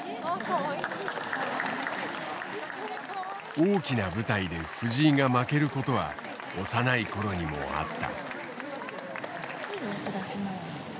大きな舞台で藤井が負けることは幼いころにもあった。